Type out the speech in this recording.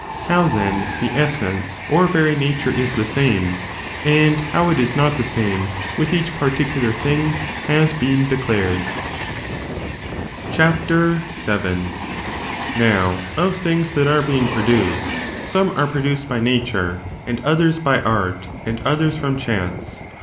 How, then, the essence or very nature is the same, and how it is not the same, with each particular thing, has been declared. CHAPTER Vn. Now, of things that are being produced,^ some i. certain dii are produced by Nature, and others by Art, and tJnctions in re »/' Raru of firenen^ others from Chance.